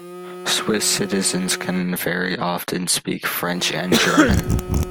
Swiss citizens can very often speak French and German.